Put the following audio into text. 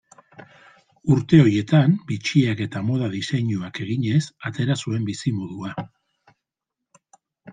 Urte horietan bitxiak eta moda-diseinuak eginez atera zuen bizimodua.